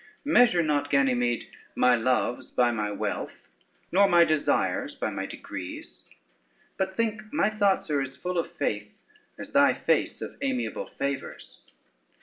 Measure not, Ganymede, my loves by my wealth, nor my desires by my degrees; but think my thoughts as full of faith, as thy face of amiable favors.